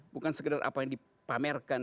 bukan sekedar apa yang dipamerkan